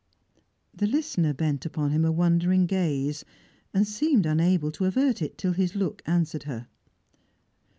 The listener bent upon him a wondering gaze, and seemed unable to avert it, till his look answered her.